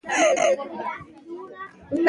دوی به ټولې تیارې هوارې کړې وي.